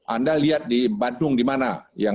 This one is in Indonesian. anda lihat di bandung di mana